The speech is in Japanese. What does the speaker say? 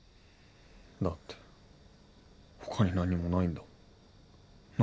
だって他に何もないんだもん。